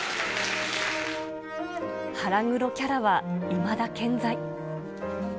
腹黒キャラはいまだ健在。